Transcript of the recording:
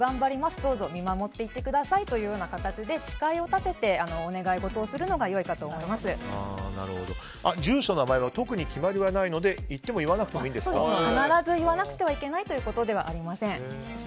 どうぞ見守っていてくださいという形で誓いを立ててお願いごとをするのが住所、名前は特に決まりはないので言っても必ず言わなくてはいけないということではありません。